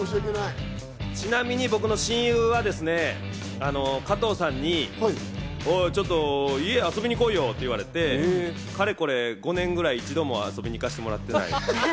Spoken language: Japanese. ちなみに僕の親友は加藤さんに、おい、ちょっと家遊びに来いよって言われてかれこれ５年くらい、一度も遊びに行かせてもらってない。